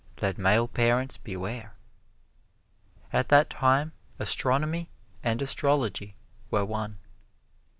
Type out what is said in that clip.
Let male parents beware. At that time, astronomy and astrology were one.